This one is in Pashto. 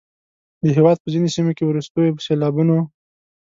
د هیواد په ځینو سیمو کې وروستیو سیلابونو